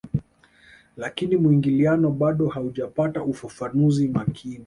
Lakini muingiliano bado haujapata ufafanuzi makini